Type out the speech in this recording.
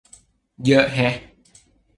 เยอะแฮะ